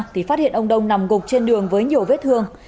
thì phát hiện ông đông nằm gục trên đường với nhiều vết thương